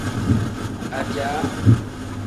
Ajaa.